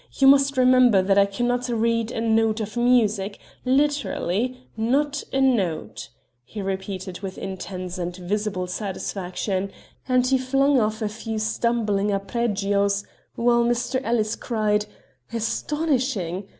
You must remember that I cannot read a note of music literally, not a note," he repeated with intense and visible satisfaction, and he flung off a few stumbling arpeggios, while Mr. Ellis cried: "Astonishing!"